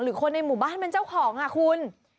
คนในหมู่บ้านเป็นเจ้าของอ่ะคุณ